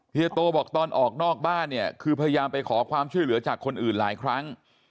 เฮียโตบอกตอนออกนอกบ้านเนี่ยคือพยายามไปขอความช่วยเหลือจากคนอื่นหลายครั้ง